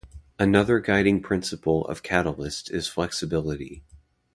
Another guiding principle of Catalyst is flexibility.